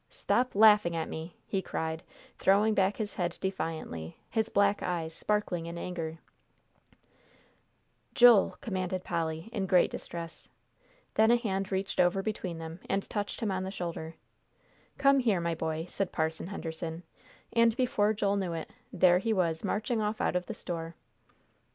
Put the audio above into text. "Stop laughing at me!" he cried, throwing back his head defiantly, his black eyes sparkling in anger. [Illustration: "'GEE WHEEZES! I CAN RIDE AS GOOD AS THAT MAN'"] "Joel!" commanded Polly, in great distress. Then a hand reached over between them and touched him on the shoulder. "Come here, my boy," said Parson Henderson, and before Joel knew it, there he was marching off out of the store.